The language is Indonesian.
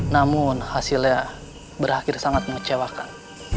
namun hasilnya berakhir sangat mengecewakan